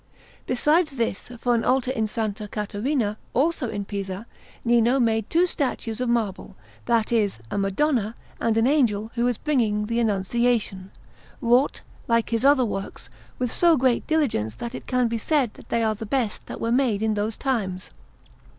Besides this, for an altar in S. Caterina, also in Pisa, Nino made two statues of marble that is, a Madonna, and an Angel who is bringing her the Annunciation, wrought, like his other works, with so great diligence that it can be said that they are the best that were made in those times.